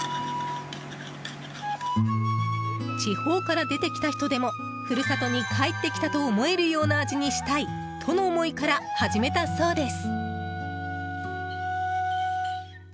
地方から出てきた人でも故郷に帰ってきたと思えるような味にしたいとの思いから始めたそうです。